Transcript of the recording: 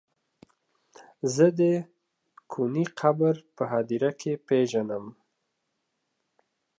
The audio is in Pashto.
زه د کوني قبر په هديره کې پيژنم.